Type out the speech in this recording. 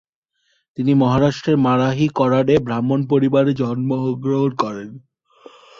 তিনি মহারাষ্ট্রের মারাঠী করাডে ব্রাহ্মণ পরিবারে জন্মগ্রহণ করেন।